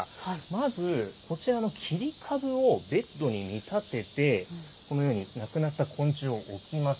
まずこちらの切り株をベッドに見立てて、このように亡くなった昆虫を置きます。